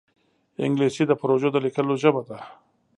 انګلیسي د پروژو د لیکلو ژبه ده